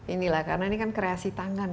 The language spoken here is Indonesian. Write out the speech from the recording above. ini lah karena ini kan kreasi tangan